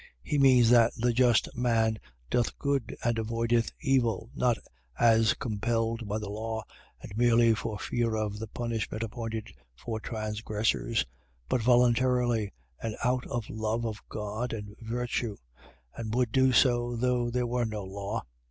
. .He means, that the just man doth good, and avoideth evil, not as compelled by the law, and merely for fear of the punishment appointed for transgressors; but voluntarily, and out of the love of God and virtue; and would do so, though there were no law.